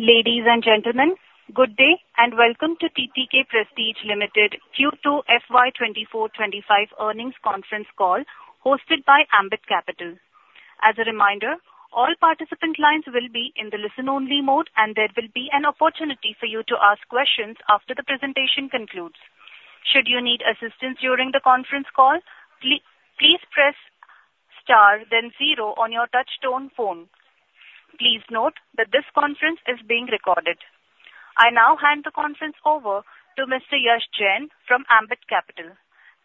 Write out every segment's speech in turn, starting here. Ladies and gentlemen, good day and welcome to TTK Prestige Limited Q2 FY24-25 Earnings Conference Call hosted by Ambit Capital. As a reminder, all participant lines will be in the listen-only mode, and there will be an opportunity for you to ask questions after the presentation concludes. Should you need assistance during the conference call, please press star, then zero on your touch-tone phone. Please note that this conference is being recorded. I now hand the conference over to Mr. Yash Jain from Ambit Capital.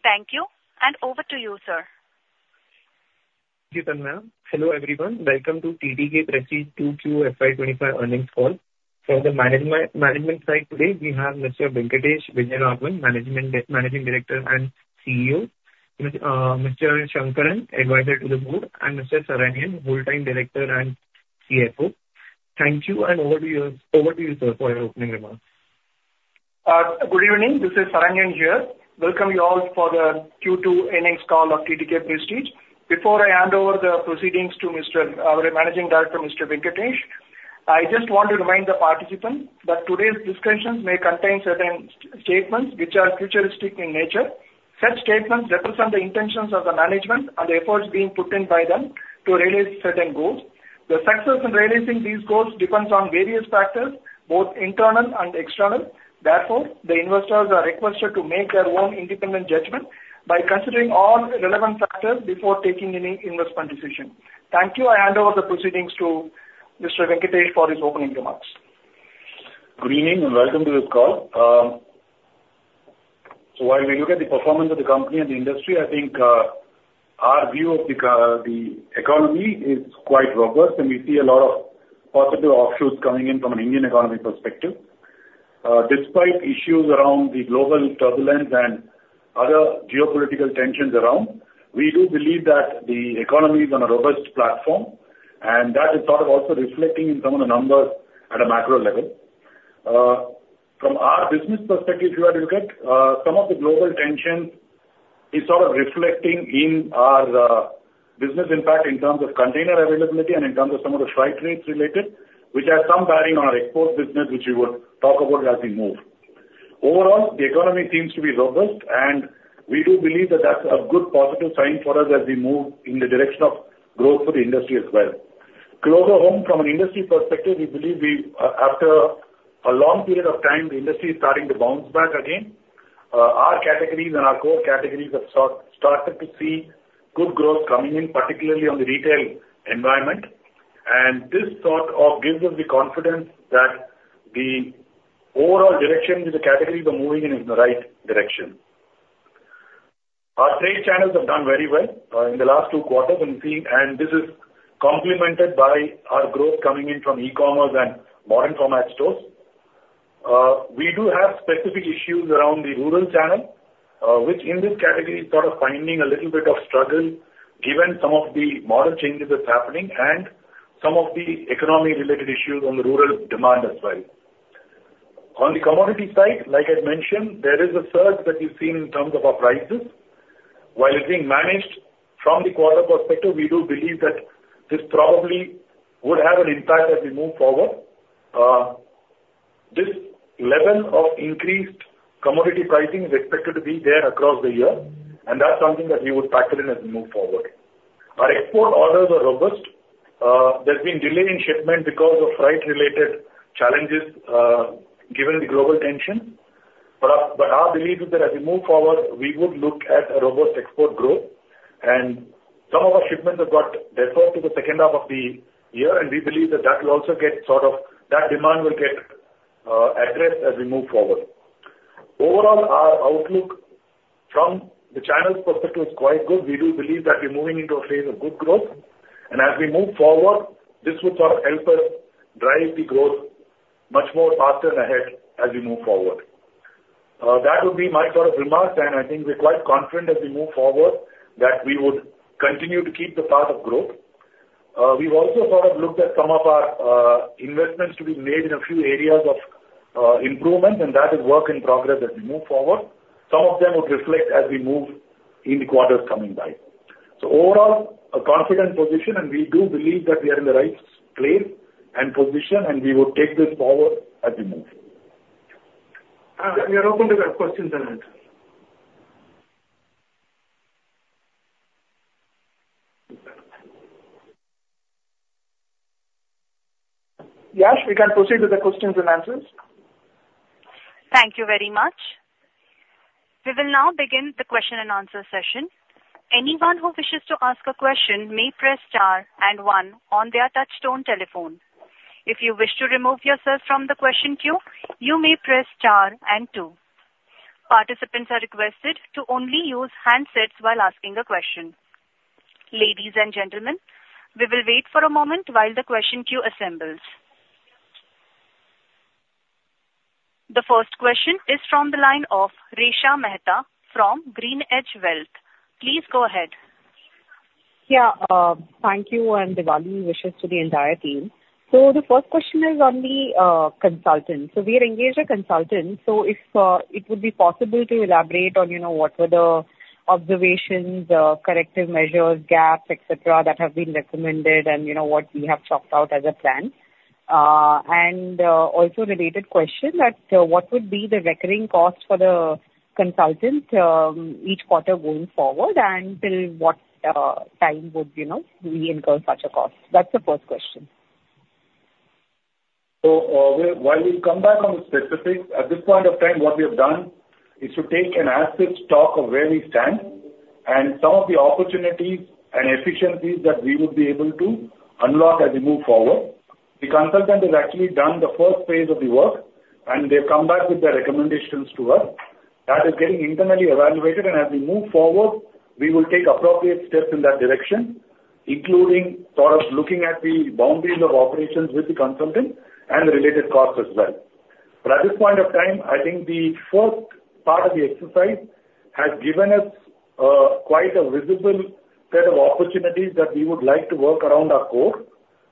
Thank you, and over to you, sir. Thank you, Tanvi. Hello, everyone. Welcome to TTK Prestige Q2 FY25 earnings call. From the management side today, we have Mr. Venkatesh Vijayaraghavan, Managing Director and CEO, Mr. Shankaran, Advisor to the Board, and Mr. Saranyan, Whole Time Director and CFO. Thank you, and over to you, sir, for your opening remarks. Good evening. This is Saranyan here. Welcome you all for the Q2 earnings call of TTK Prestige. Before I hand over the proceedings to Managing Director, Mr. Venkatesh, I just want to remind the participants that today's discussions may contain certain statements which are futuristic in nature. Such statements represent the intentions of the management and the efforts being put in by them to realize certain goals. The success in realizing these goals depends on various factors, both internal and external. Therefore, the investors are requested to make their own independent judgment by considering all relevant factors before taking any investment decision. Thank you. I hand over the proceedings to Mr. Venkatesh for his opening remarks. Good evening and welcome to this call. So while we look at the performance of the company and the industry, I think our view of the economy is quite robust, and we see a lot of positive offshoots coming in from an Indian economy perspective. Despite issues around the global turbulence and other geopolitical tensions around, we do believe that the economy is on a robust platform, and that is sort of also reflecting in some of the numbers at a macro level. From our business perspective, if you had to look at some of the global tensions, it's sort of reflecting in our business impact in terms of container availability and in terms of some of the flight rates related, which has some bearing on our export business, which we will talk about as we move. Overall, the economy seems to be robust, and we do believe that that's a good positive sign for us as we move in the direction of growth for the industry as well. Globally, from an industry perspective, we believe after a long period of time, the industry is starting to bounce back again. Our categories and our core categories have started to see good growth coming in, particularly on the retail environment, and this sort of gives us the confidence that the overall direction with the categories are moving in the right direction. Our trade channels have done very well in the last two quarters, and this is complemented by our growth coming in from e-commerce and modern format stores. We do have specific issues around the rural channel, which in this category is sort of finding a little bit of struggle given some of the model changes that's happening and some of the economy-related issues on the rural demand as well. On the commodity side, like I mentioned, there is a surge that we've seen in terms of our prices. While it's being managed from the quarter perspective, we do believe that this probably would have an impact as we move forward. This level of increased commodity pricing is expected to be there across the year, and that's something that we would factor in as we move forward. Our export orders are robust. There's been delay in shipment because of freight-related challenges given the global tension. But our belief is that as we move forward, we would look at a robust export growth, and some of our shipments have got deferred to the second half of the year, and we believe that will also get sort of that demand will get addressed as we move forward. Overall, our outlook from the channel's perspective is quite good. We do believe that we're moving into a phase of good growth, and as we move forward, this would sort of help us drive the growth much more faster and ahead as we move forward. That would be my sort of remarks, and I think we're quite confident as we move forward that we would continue to keep the path of growth. We've also sort of looked at some of our investments to be made in a few areas of improvement, and that is work in progress as we move forward. Some of them would reflect as we move in the quarters coming by. So overall, a confident position, and we do believe that we are in the right place and position, and we will take this forward as we move. We are open to the questions and answers. Yash, we can proceed with the questions and answers. Thank you very much. We will now begin the question and answer session. Anyone who wishes to ask a question may press star and one on their touch-tone telephone. If you wish to remove yourself from the question queue, you may press star and two. Participants are requested to only use handsets while asking a question. Ladies and gentlemen, we will wait for a moment while the question queue assembles. The first question is from the line of Resha Mehta from GreenEdge Wealth. Please go ahead. Yeah, thank you, and the warm wishes to the entire team. So the first question is on the consultant. So we have engaged a consultant, so if it would be possible to elaborate on what were the observations, corrective measures, gaps, etc., that have been recommended, and what we have worked out as a plan. And also related question that what would be the recurring cost for the consultant each quarter going forward, and till what time would we incur such a cost? That's the first question. So while we come back on the specifics, at this point of time, what we have done is to take an asset stock of where we stand and some of the opportunities and efficiencies that we would be able to unlock as we move forward. The consultant has actually done the first phase of the work, and they've come back with their recommendations to us. That is getting internally evaluated, and as we move forward, we will take appropriate steps in that direction, including sort of looking at the boundaries of operations with the consultant and the related costs as well. But at this point of time, I think the first part of the exercise has given us quite a visible set of opportunities that we would like to work around our core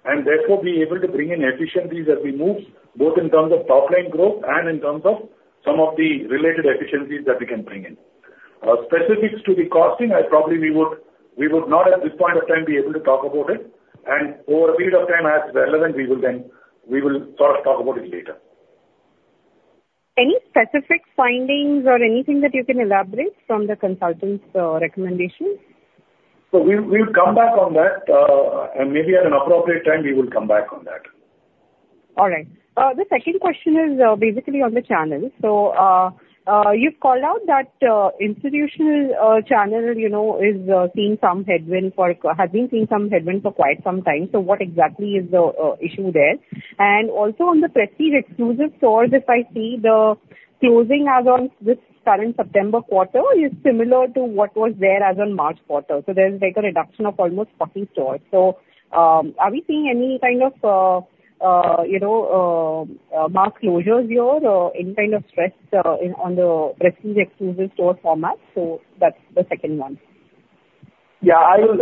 and therefore be able to bring in efficiencies as we move, both in terms of top-line growth and in terms of some of the related efficiencies that we can bring in. Specifics to the costing, I probably we would not at this point of time be able to talk about it, and over a period of time, as relevant, we will sort of talk about it later. Any specific findings or anything that you can elaborate from the consultant's recommendations? So we'll come back on that, and maybe at an appropriate time, we will come back on that. All right. The second question is basically on the channels. So you've called out that Institutional Channel is seeing some headwind or has been seeing some headwind for quite some time. So what exactly is the issue there? And also on the Prestige Xclusive Stores, if I see the closing as of this current September quarter is similar to what was there as of March quarter. So there's a reduction of almost 40 stores. So are we seeing any kind of mass closures here or any kind of stress on the Prestige Xclusive store format? So that's the second one. Yeah,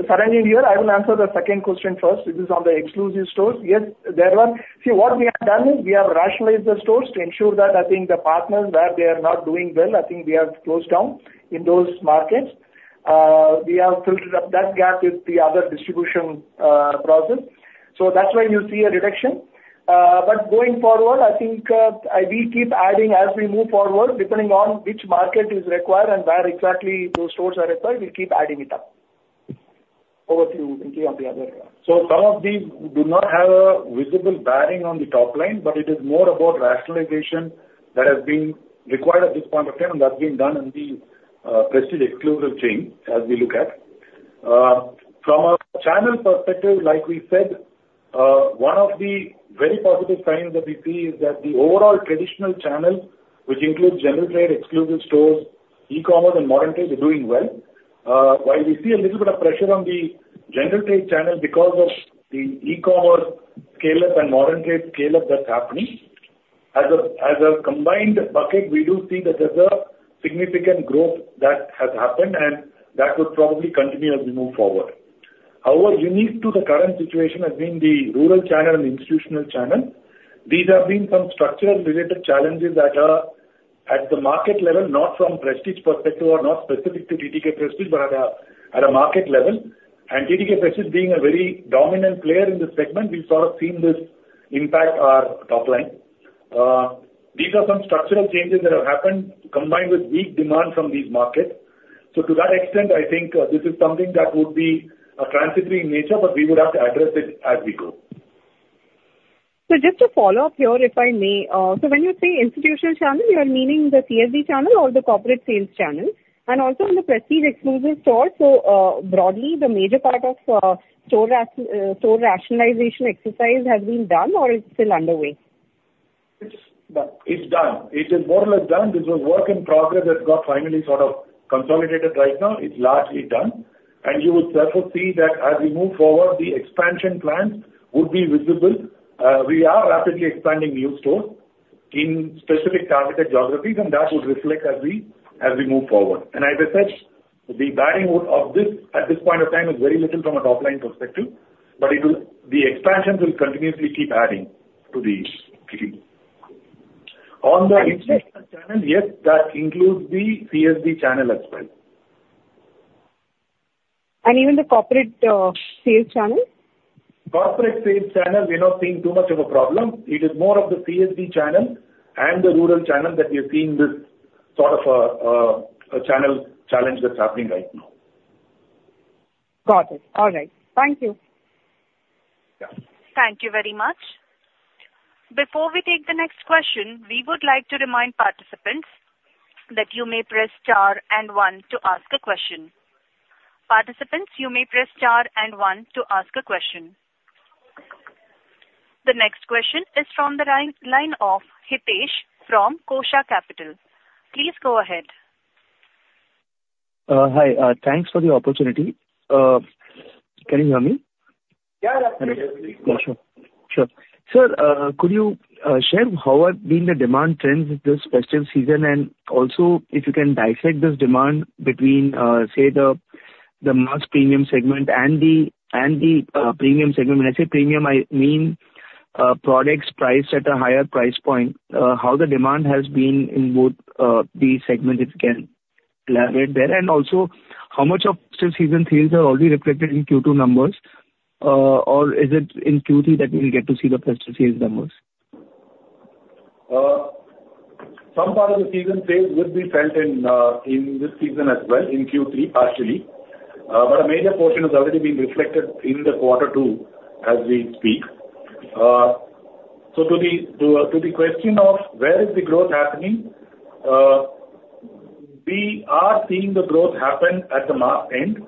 Saranyan here. I will answer the second question first, which is on the exclusive stores. Yes, there are. See, what we have done is we have rationalized the stores to ensure that I think the partners that they are not doing well, I think we have closed down in those markets. We have filled up that gap with the other distribution process. So that's why you see a reduction. But going forward, I think we keep adding as we move forward, depending on which market is required and where exactly those stores are required, we keep adding it up. Over to you, Venki, on the other one. So some of these do not have a visible bearing on the top line, but it is more about rationalization that has been required at this point of time and that's been done in the Prestige Xclusive chain as we look at. From a channel perspective, like we said, one of the very positive signs that we see is that the overall traditional channels, which includes General Trade Exclusive Stores, e-commerce, and Modern Trade, are doing well. While we see a little bit of pressure on the General Trade channel because of the e-commerce scale-up and Modern Trade scale-up that's happening, as a combined bucket, we do see that there's a significant growth that has happened, and that would probably continue as we move forward. However, unique to the current situation has been the rural channel and the Institutional Channel. These have been some structural related challenges that are at the market level, not from Prestige perspective or not specific to TTK Prestige, but at a market level, and TTK Prestige being a very dominant player in the segment, we've sort of seen this impact our top line. These are some structural changes that have happened combined with weak demand from these markets, so to that extent, I think this is something that would be transitory in nature, but we would have to address it as we go. So just to follow up here, if I may, so when you say institutional channel, you are meaning the CSD channel or the corporate sales channel? And also on the Prestige Xclusive Stores, so broadly, the major part of store rationalization exercise has been done or is still underway? It's done. It is more or less done. This was work in progress that got finally sort of consolidated right now. It's largely done. And you would therefore see that as we move forward, the expansion plans would be visible. We are rapidly expanding new stores in specific targeted geographies, and that would reflect as we move forward. And as I said, the bearing of this at this point of time is very little from a top-line perspective, but the expansions will continuously keep adding to the team. On the institutional channel, yes, that includes the CSD channel as well. Even the corporate sales channel? Corporate sales channel, we're not seeing too much of a problem. It is more of the CSD channel and the rural channel that we are seeing this sort of a channel challenge that's happening right now. Got it. All right. Thank you. Yeah. Thank you very much. Before we take the next question, we would like to remind participants that you may press star and one to ask a question. Participants, you may press star and one to ask a question. The next question is from the line of Hitesh from Kosha Capital. Please go ahead. Hi. Thanks for the opportunity. Can you hear me? Yeah, definitely. Sure. Sure. Sir, could you share how have been the demand trends with this festive season? And also, if you can dissect this demand between, say, the mass premium segment and the premium segment? When I say premium, I mean products priced at a higher price point. How the demand has been in both these segments, if you can elaborate there? And also, how much of festive season sales are already reflected in Q2 numbers? Or is it in Q3 that we'll get to see the festive sales numbers? Some part of the season sales would be felt in this season as well, in Q3, partially. But a major portion has already been reflected in the quarter two as we speak. So to the question of where is the growth happening, we are seeing the growth happen at the mass end,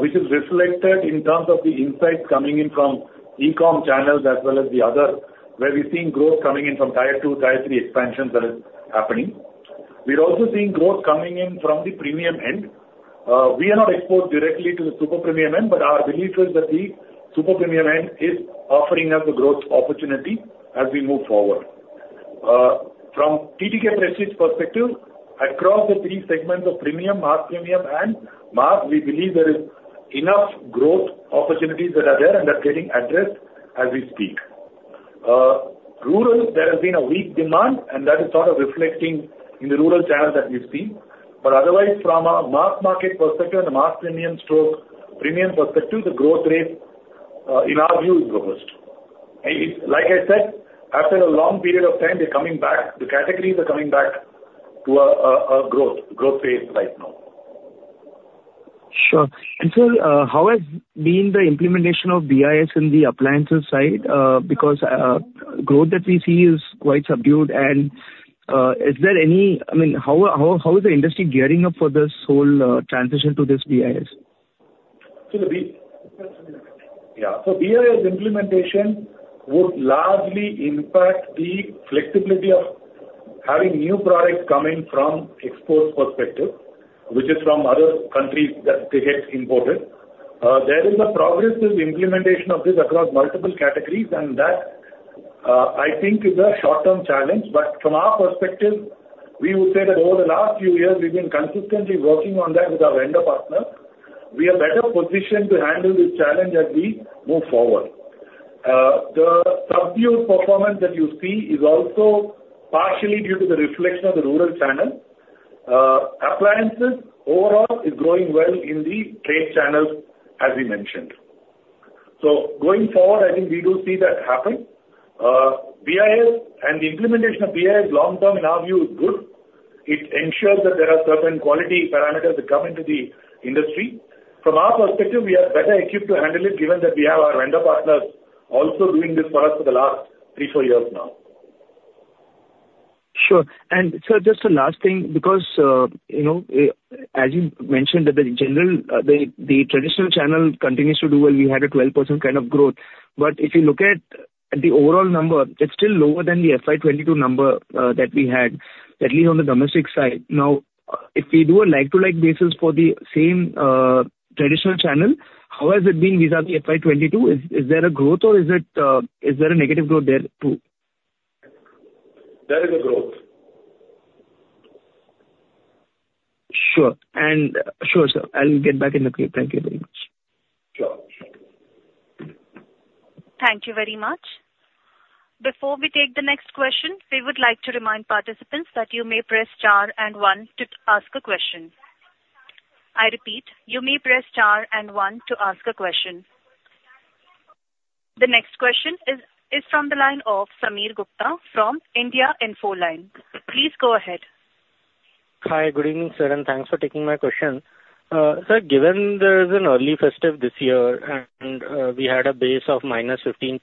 which is reflected in terms of the insights coming in from e-com channels as well as the other, where we're seeing growth coming in from tier two, tier three expansions that are happening. We're also seeing growth coming in from the premium end. We are not exposed directly to the super premium end, but our belief is that the super premium end is offering us a growth opportunity as we move forward. From TTK Prestige perspective, across the three segments of premium, mass premium, and mass, we believe there is enough growth opportunities that are there and are getting addressed as we speak. Rural, there has been a weak demand, and that is sort of reflecting in the rural channel that we've seen. But otherwise, from a mass market perspective and the mass premium stroke premium perspective, the growth rate, in our view, is robust. Like I said, after a long period of time, they're coming back. The categories are coming back to a growth phase right now. Sure. And sir, how has been the implementation of BIS in the appliances side? Because growth that we see is quite subdued. And is there any I mean, how is the industry gearing up for this whole transition to this BIS? Yeah. So BIS implementation would largely impact the flexibility of having new products come in from export perspective, which is from other countries that they get imported. There is a progressive implementation of this across multiple categories, and that, I think, is a short-term challenge, but from our perspective, we would say that over the last few years, we've been consistently working on that with our vendor partners. We are better positioned to handle this challenge as we move forward. The subdued performance that you see is also partially due to the reflection of the rural channel. Appliances, overall, is growing well in the trade channels, as we mentioned, so going forward, I think we do see that happen. BIS and the implementation of BIS, long-term, in our view, is good. It ensures that there are certain quality parameters that come into the industry. From our perspective, we are better equipped to handle it, given that we have our vendor partners also doing this for us for the last three, four years now. Sure. And sir, just a last thing, because as you mentioned, the traditional channel continues to do well. We had a 12% kind of growth. But if you look at the overall number, it's still lower than the FY22 number that we had, at least on the domestic side. Now, if we do a like-for-like basis for the same traditional channel, how has it been vis-à-vis FY22? Is there a growth, or is there a negative growth there too? There is a growth. Sure. Sure, sir. I'll get back in a few. Thank you very much. Sure. Thank you very much. Before we take the next question, we would like to remind participants that you may press star and one to ask a question. I repeat, you may press star and one to ask a question. The next question is from the line of Sameer Gupta from India Infoline. Please go ahead. Hi, good evening, sir, and thanks for taking my question. Sir, given there is an early festive this year and we had a base of minus 15%,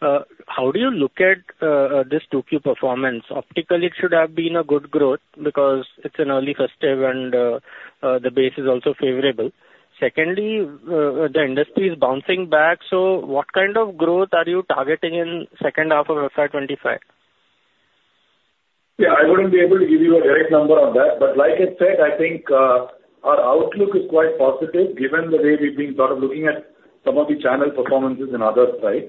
how do you look at this 2Q performance? Optically, it should have been a good growth because it's an early festive and the base is also favorable. Secondly, the industry is bouncing back. So what kind of growth are you targeting in the second half of FY25? Yeah, I wouldn't be able to give you a direct number on that. But like I said, I think our outlook is quite positive given the way we've been sort of looking at some of the channel performances in other sides.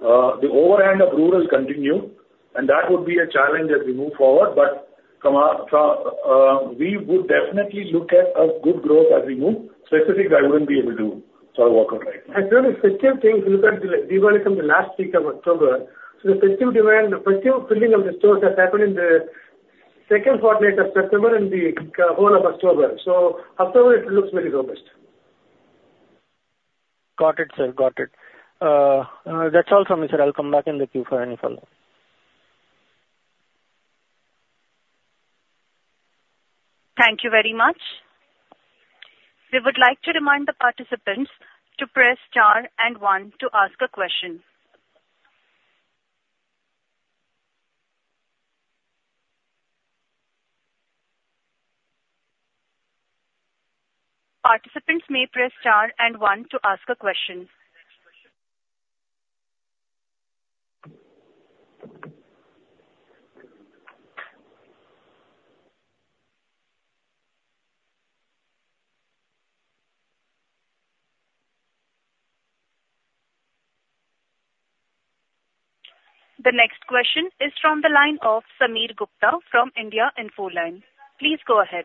The overhang of rural continues, and that would be a challenge as we move forward. But we would definitely look at a good growth as we move. Specifics, I wouldn't be able to sort of work on right now. Actually, festive things, look at the development from the last week of October. So the festive filling of the stores has happened in the second quarter of September and the whole of October. So October, it looks very robust. Got it, sir. Got it. That's all from me, sir. I'll come back in the queue for any follow-up. Thank you very much. We would like to remind the participants to press star and one to ask a question. Participants may press star and one to ask a question. The next question is from the line of Sameer Gupta from India Infoline. Please go ahead.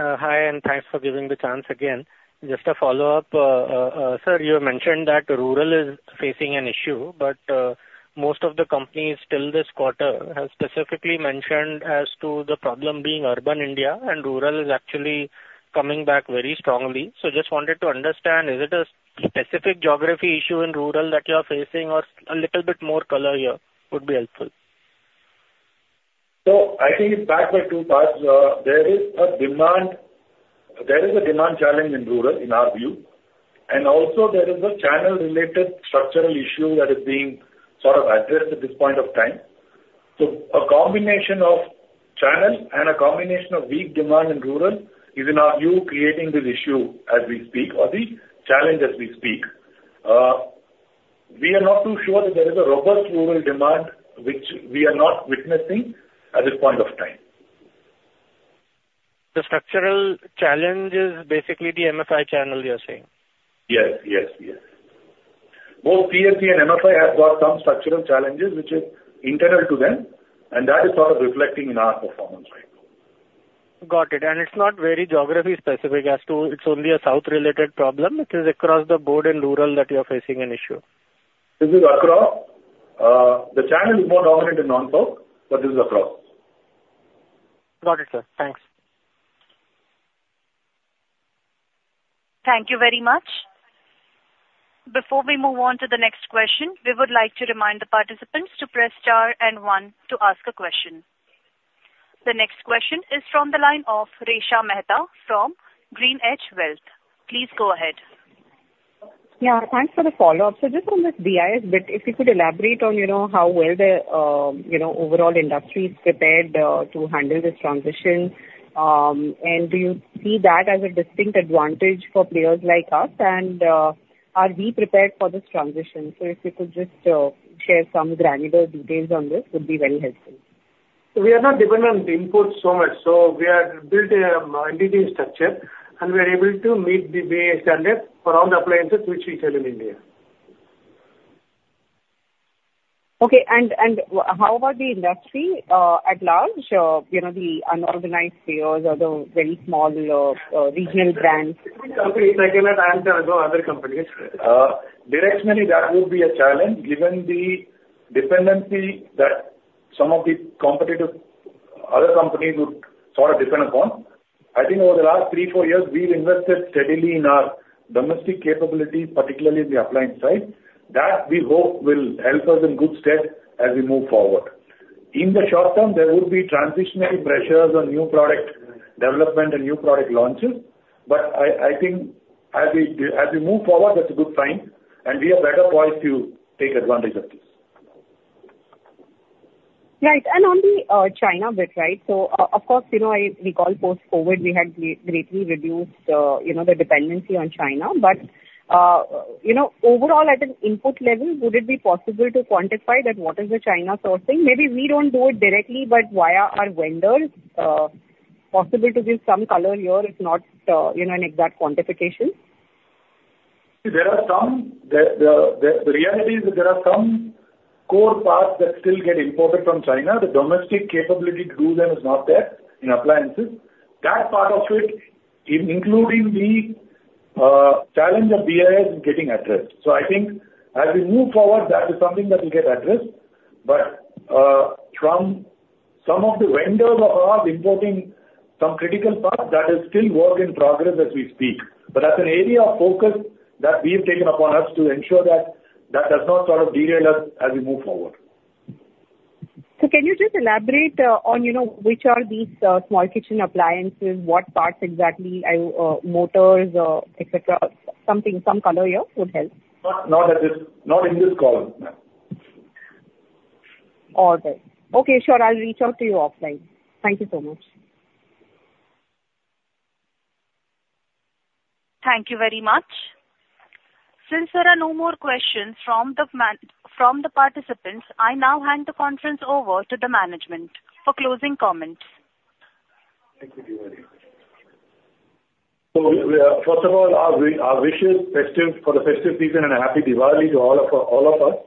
Hi, and thanks for giving the chance again. Just a follow-up. Sir, you mentioned that rural is facing an issue, but most of the companies till this quarter have specifically mentioned as to the problem being urban India, and rural is actually coming back very strongly. So just wanted to understand, is it a specific geography issue in rural that you're facing, or a little bit more color here would be helpful? So I think it's backed by two parts. There is a demand challenge in rural, in our view. And also, there is a channel-related structural issue that is being sort of addressed at this point of time. So a combination of channel and a combination of weak demand in rural is, in our view, creating this issue as we speak or the challenge as we speak. We are not too sure that there is a robust rural demand, which we are not witnessing at this point of time. The structural challenge is basically the MFI channel, you're saying? Yes, yes, yes. Both TSC and MFI have got some structural challenges, which is internal to them, and that is sort of reflecting in our performance right now. Got it. And it's not very geography-specific as to it's only a south-related problem. It is across the board in rural that you're facing an issue. This is across. The channel is more dominant in non-store, but this is across. Got it, sir. Thanks. Thank you very much. Before we move on to the next question, we would like to remind the participants to press star and one to ask a question. The next question is from the line of Resha Mehta from GreenEdge Wealth. Please go ahead. Yeah, thanks for the follow-up. So just on this BIS bit, if you could elaborate on how well the overall industry is prepared to handle this transition, and do you see that as a distinct advantage for players like us, and are we prepared for this transition? So if you could just share some granular details on this, it would be very helpful. So we are not dependent on the input so much. So we have built an entity structure, and we are able to meet the BIS standard for all the appliances which we sell in India. Okay, and how about the industry at large? The unorganized players or the very small regional brands? Companies, I cannot answer as well as other companies. Directionally, that would be a challenge given the dependency that some of the competitive other companies would sort of depend upon. I think over the last three, four years, we've invested steadily in our domestic capabilities, particularly in the appliance side. That we hope will help us in good stead as we move forward. In the short term, there would be transitory pressures on new product development and new product launches. But I think as we move forward, that's a good sign, and we are better poised to take advantage of this. Right. And on the China bit, right? So of course, post-COVID, we had greatly reduced the dependency on China. But overall, at an input level, would it be possible to quantify that what is the China sourcing? Maybe we don't do it directly, but via our vendors, possible to give some color here if not an exact quantification? There are some. The reality is that there are some core parts that still get imported from China. The domestic capability to do them is not there in appliances. That part of it, including the challenge of BIS, is getting addressed. So I think as we move forward, that is something that will get addressed. But from some of the vendors of ours importing some critical parts, that is still work in progress as we speak. But that's an area of focus that we've taken upon us to ensure that that does not sort of derail us as we move forward. Can you just elaborate on which are these small kitchen appliances? What parts exactly? Motors, etc.? Something, some color here would help. Not in this call. All right. Okay. Sure. I'll reach out to you offline. Thank you so much. Thank you very much. Since there are no more questions from the participants, I now hand the conference over to the management for closing comments. Thank you very much. So first of all, our wishes for the festive season and a happy Diwali to all of us.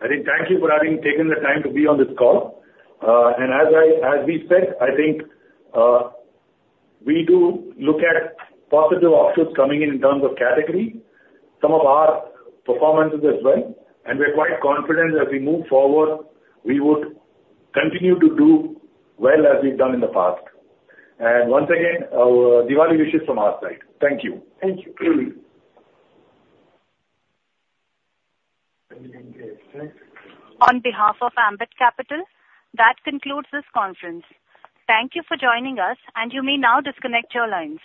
I think thank you for having taken the time to be on this call. And as we said, I think we do look at positive outputs coming in in terms of category, some of our performances as well. And we're quite confident that as we move forward, we would continue to do well as we've done in the past. And once again, Diwali wishes from our side. Thank you. Thank you. On behalf of Ambit Capital, that concludes this conference. Thank you for joining us, and you may now disconnect your lines.